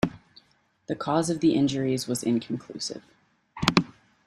The cause of the injuries was inconclusive.